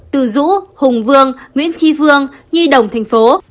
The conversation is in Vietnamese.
từ dũ hùng vương nguyễn tri vương nhi đồng tp